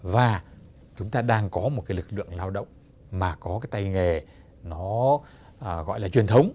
và chúng ta đang có một cái lực lượng lao động mà có cái tay nghề nó gọi là truyền thống